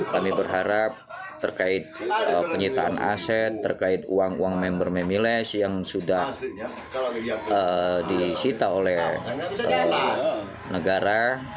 kami berharap terkait penyitaan aset terkait uang uang member memiles yang sudah disita oleh negara